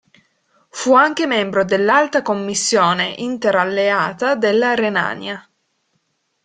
Fu anche membro dell'Alta commissione inter-alleata della Renania.